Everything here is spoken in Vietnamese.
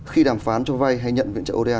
khi đàm phán cho vay hay nhận viện trợ oda